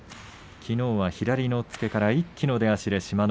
きのうは左の押っつけから一気の出足で志摩ノ